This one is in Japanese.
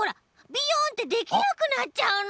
ビヨンってできなくなっちゃうの！